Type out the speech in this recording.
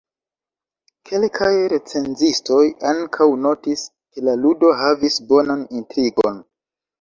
Kelkaj recenzistoj ankaŭ notis ke la ludo havis bonan intrigon.